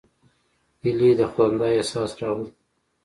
هیلۍ د خندا احساس راولي